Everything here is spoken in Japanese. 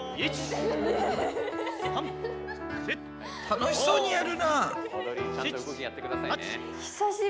楽しそうにやるな。